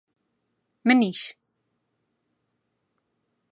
منیش!